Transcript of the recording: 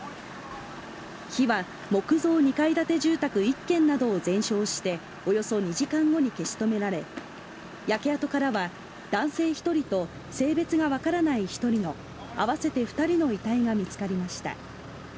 火は木造２階建て住宅１軒などを全焼しておよそ２時間後に消し止められ焼け跡からは男性１人と性別がわからない１人の合わせて２人の遺体が見つかりました。